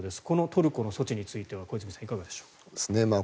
このトルコの措置については小泉さん、いかがですか？